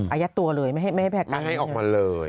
อายัดตัวเลยไม่ให้แพทย์การไม่ให้ออกมาเลย